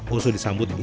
osok disambut dengan kata